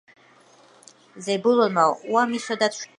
ზებულონმა უამისოდაც მშვენივრად იცოდა